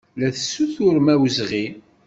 La tessuturem awezɣi.